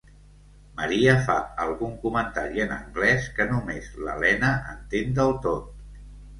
Maria fa algun comentari en anglès que només l'Elena entén del tot.